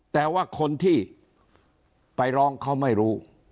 แต่ว่าคนที่ไปร้องเขาไม่รู้